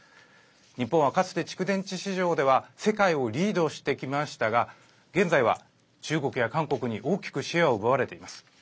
日本は、かつて蓄電池市場では世界をリードしてきましたが現在は中国や韓国に大きくシェアを奪われています。